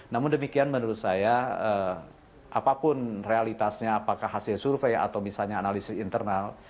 namun demikian menurut saya apapun realitasnya apakah hasil survei atau misalnya analisis internal